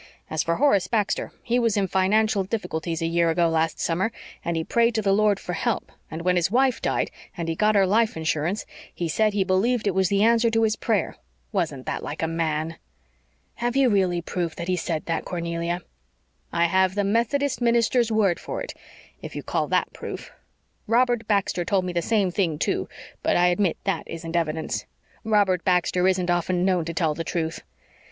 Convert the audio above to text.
As for Horace Baxter, he was in financial difficulties a year ago last summer, and he prayed to the Lord for help; and when his wife died and he got her life insurance he said he believed it was the answer to his prayer. Wasn't that like a man?" "Have you really proof that he said that, Cornelia?" "I have the Methodist minister's word for it if you call THAT proof. Robert Baxter told me the same thing too, but I admit THAT isn't evidence. Robert Baxter isn't often known to tell the truth."